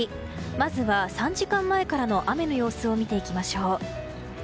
まずは３時間前からの雨の様子を見ていきましょう。